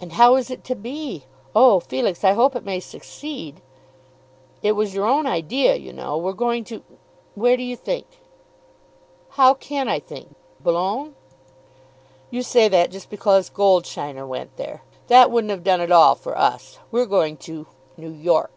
"And how is it to be? Oh, Felix, I hope it may succeed." "It was your own idea, you know. We're going to; where do you think?" "How can I think? Boulogne." "You say that just because Goldsheiner went there. That wouldn't have done at all for us. We're going to New York."